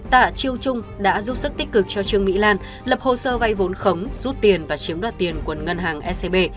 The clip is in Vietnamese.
tạ chiêu trung đã giúp sức tích cực cho trương mỹ lan lập hồ sơ vay vốn khống rút tiền và chiếm đoạt tiền của ngân hàng scb